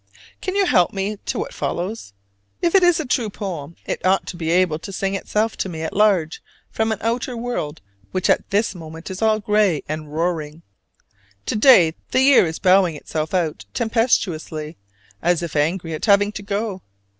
Can you help me to what follows? If it is a true poem it ought now to be able to sing itself to me at large from an outer world which at this moment is all gray and roaring. To day the year is bowing itself out tempestuously, as if angry at having to go.